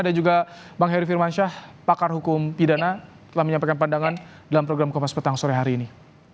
ada juga bang heri firmansyah pakar hukum pidana telah menyampaikan pandangan dalam program kopas petang sore hari ini